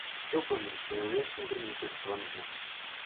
Я ўпэўнены, што ў яго ёсць унутры нейкі захаваны гнёт.